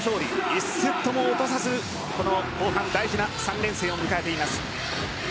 １セットも落とさず、この後半大事な３連戦を迎えています。